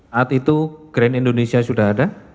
saat itu gi sudah ada